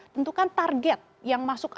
tentukan target yang masuk